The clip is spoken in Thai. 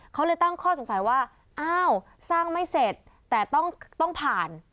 เขาเลยตั้งข้อสงสัยว่าอ้าวสร้างไม่เสร็จแต่ต้องผ่าน